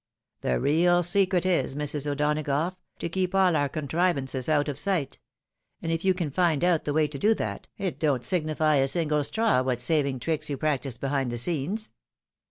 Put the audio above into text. The real secret is, Mrs. O'Donagough, to keep all your contrivances out of sight ; and if you can find out the way to do that, it don't signify a single straw what saving tricks you practise behind the scenes.